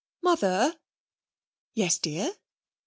'Mother!' 'Yes, dear?'